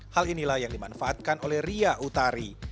hal inilah yang dimanfaatkan oleh ria utari